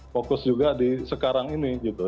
fokus juga di sekarang ini gitu